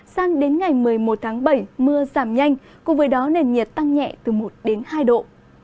sang đến ngày một mươi một tháng bảy mưa giảm nhanh cùng với đó nền nhiệt tăng nhẹ từ một đến hai độ